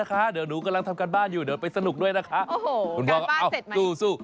เป็นการทำการบ้านที่มันมากมันมากสายก้นไปด้วย